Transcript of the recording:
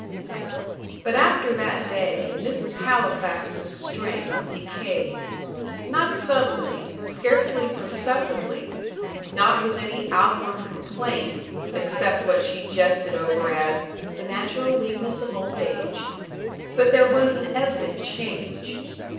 But after that day Mrs. Halifax's strength decayed. Not suddenly, scarcely perceptibly; not with any outward complaint, except what she jested over as "the natural weakness of old age;" but there was an evident change.